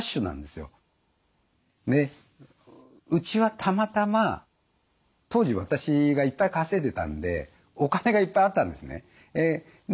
うちはたまたま当時私がいっぱい稼いでたんでお金がいっぱいあったんですね。